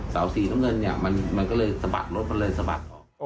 เสาสี่น้ำเงินมันก็เลยสะบัดรถมันเลยสะบัดออก